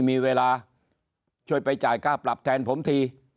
มีเวลาช่วยไปจ่ายค่าปรับแทนผมที